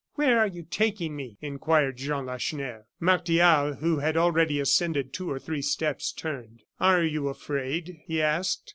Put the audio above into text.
"Where are you taking me?" inquired Jean Lacheneur. Martial, who had already ascended two or three steps, turned. "Are you afraid?" he asked.